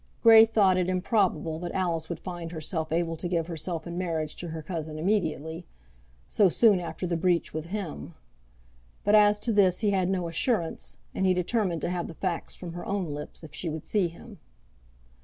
Grey thought it improbable that Alice would find herself able to give herself in marriage to her cousin immediately, so soon after her breach with him; but as to this he had no assurance, and he determined to have the facts from her own lips, if she would see him.